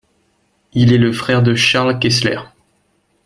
Il est le frère de Charles Kessler.